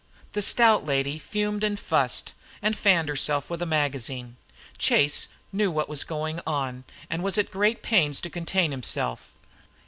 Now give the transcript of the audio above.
The stout lady fumed and fussed, and fanned herself with a magazine. Chase knew what was going on and was at great pains to contain himself.